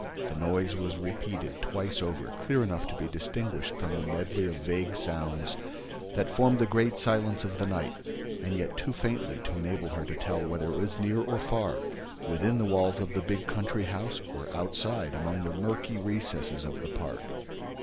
The noise was repeated twice over, clearly enough to be distinguished from the medley of vague sounds that formed the great silence of the night and yet too faintly to enable her to tell whether it was near or far, within the walls of the big country house, or outside, among the murky recesses of the park.